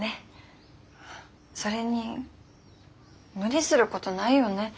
それに無理することないよね